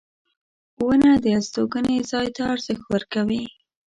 • ونه د استوګنې ځای ته ارزښت ورکوي.